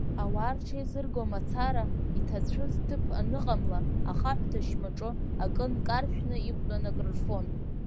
Ауаа рҽеизырго мацара, иҭацәыз ҭыԥ аныҟамла, ахаҳә дашьмаҿы акы нкаршәны иқәтәаны, акрырфон.